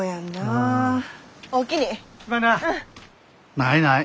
ないない。